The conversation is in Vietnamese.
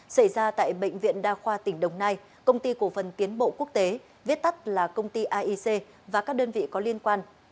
xảy ra tại bệnh viện đa khoa tỉnh đồng nai công ty cổ phần tiến bộ quốc tế viết tắt là công ty aic và các đơn vị có liên quan